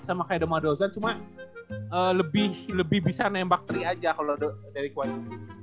sama kayak the mother of zen cuma lebih bisa nembak tiga aja kalau derek white